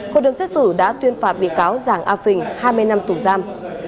hội đồng xét xử đã tuyên phạt bị cáo giàng a phình hai mươi năm tù giam